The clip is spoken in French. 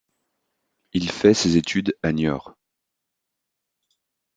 Il fait ses études à Niort.